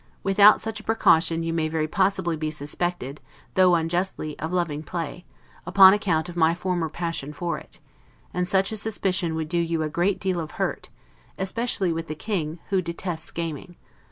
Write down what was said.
Without such precaution you may very possibly be suspected, though unjustly, of loving play, upon account of my former passion for it; and such a suspicion would do you a great deal of hurt, especially with the King, who detests gaming.